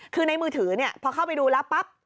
คือในมือถือพอเข้าไปดูแล้วปั๊บ